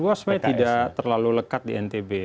isu dua ratus dua belas sebenarnya tidak terlalu lekat di ntb